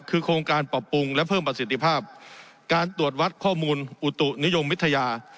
คือโครงการปรับปรุงและเพิ่มประสิทธิภาพการตรวจวัดข้อมูลอุตุนิยมวิทยา